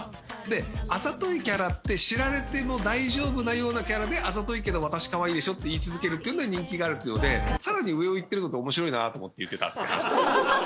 であざといキャラって知られても大丈夫なようなキャラで「あざといけど私可愛いでしょ？」って言い続けるっていうので人気があるっていうので更に上を行ってるので面白いなと思って言ってたって話ですね。